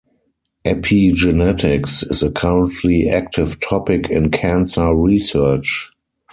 Epigenetics is a currently active topic in cancer research.